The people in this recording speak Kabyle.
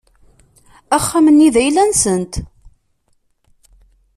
Axxam-nni d ayla-nsent.